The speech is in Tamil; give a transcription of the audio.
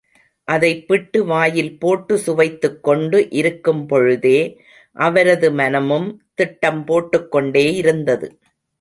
அதைப் பிட்டு வாயில் போட்டு சுவைத்துக்கொண்டு இருக்கும் பொழுதே, அவரது மனமும் திட்டம் போட்டுக் கொண்டே இருந்தது.